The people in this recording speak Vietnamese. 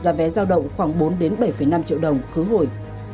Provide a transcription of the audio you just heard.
giá vé giao động khoảng bốn bảy năm triệu đồng khứ hồi